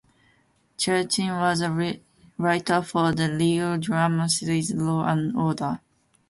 Chernuchin was a writer for the legal drama series, "Law and Order".